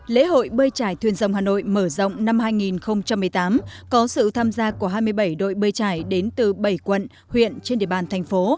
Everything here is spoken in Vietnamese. lễ hội bơi trải thuyền dòng hà nội mở rộng năm hai nghìn một mươi tám có sự tham gia của hai mươi bảy đội bơi trải đến từ bảy quận huyện trên địa bàn thành phố